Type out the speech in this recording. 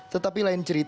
tidak ada yang menurut